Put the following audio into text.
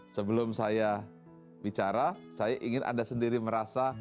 sebelum saya bicara saya ingin anda sendiri merasa